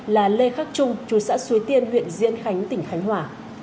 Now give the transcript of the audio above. là lê khắc trung chú xã suối tiên huyện diễn khánh tỉnh khánh hòa